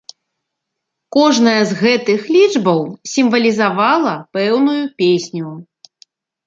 Кожная з гэтых лічбаў сімвалізавала пэўную песню.